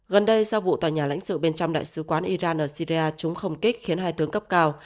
gần đây sau vụ tòa nhà lãnh sự bên trong đại sứ quán iran ở syria chúng không kích khiến hai tướng cấp cao